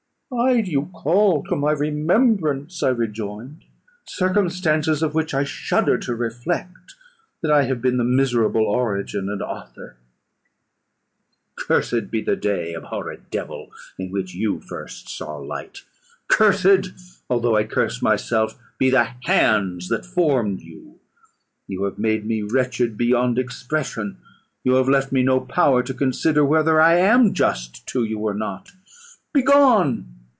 "Why do you call to my remembrance," I rejoined, "circumstances, of which I shudder to reflect, that I have been the miserable origin and author? Cursed be the day, abhorred devil, in which you first saw light! Cursed (although I curse myself) be the hands that formed you! You have made me wretched beyond expression. You have left me no power to consider whether I am just to you, or not. Begone!